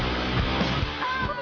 nggak di depan